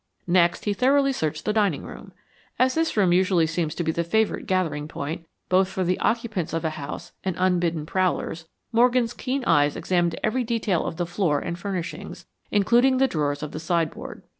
Next he thoroughly searched the dining room. As this room usually seems to be the favorite gathering point, both for the occupants of a house and unbidden prowlers, Morgan's keen eyes examined every detail of the floor and furnishings, including the drawers of the sideboard.